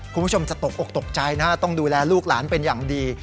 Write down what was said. คุณผู้ชมจะตกอกตกใจนะฮะต้องดูแลลูกหลานเป็นอย่างดี